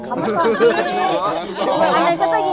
เขามาส่งเพียงตรงนี้